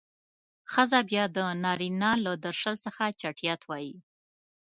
ښځه بيا د نارينه له درشل څخه چټيات وايي.